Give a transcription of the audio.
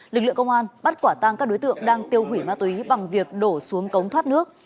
lực lượng công an bắt quả tang các đối tượng đang tiêu hủy ma túy bằng việc đổ xuống cống thoát nước